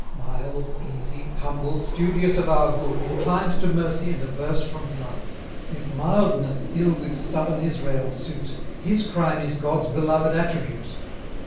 Mild, easy, humble, studious of our good; Inclined to mercy, and averse from blood. If mildness ill with stubborn Israel suit, His crime is God's beloved attribute.